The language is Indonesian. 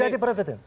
mau jadi presiden